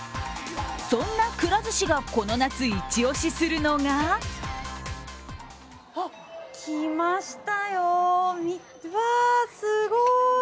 そんなくら寿司がこの夏一押しするのが来ましたよ、わあ、すごい！